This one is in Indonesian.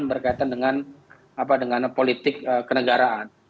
berkaitan dengan politik kenegaraan